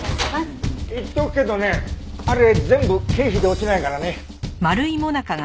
言っとくけどねあれ全部経費で落ちないからね。